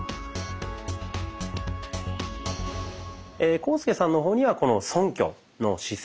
浩介さんの方にはこのそんきょの姿勢。